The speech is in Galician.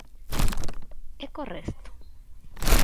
¿E correcto?